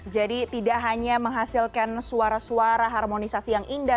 jadi tidak hanya menghasilkan suara suara harmonisasi yang indah